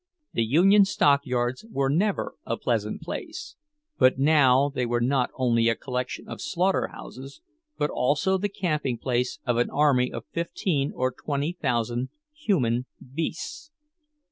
The "Union Stockyards" were never a pleasant place; but now they were not only a collection of slaughterhouses, but also the camping place of an army of fifteen or twenty thousand human beasts.